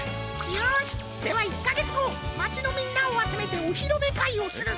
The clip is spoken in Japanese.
よしでは１かげつごまちのみんなをあつめておひろめかいをする！